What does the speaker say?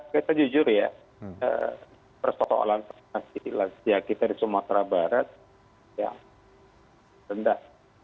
kita jujur ya persoalan vaksinasi lansia kita di sumatera barat ya rendah